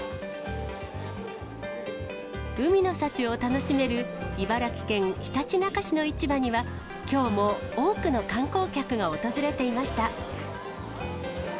海の幸を楽しめる茨城県ひたちなか市の市場には、きょうも多くの観光客が訪れていました。